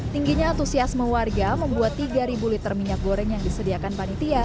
tingginya antusiasme warga membuat tiga liter minyak goreng yang disediakan panitia